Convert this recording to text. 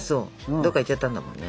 どっか行っちゃったんだもんね。